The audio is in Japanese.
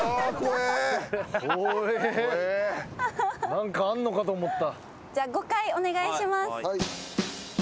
何かあんのかと思った。